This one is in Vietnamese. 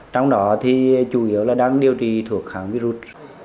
trong đó thì chủ yếu là đang điều trị thuộc hàng vi rụt